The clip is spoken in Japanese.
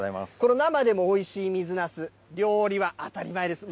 この生でもおいしい水なす、料理は当たり前です。